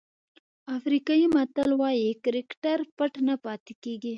افریقایي متل وایي کرکټر پټ نه پاتې کېږي.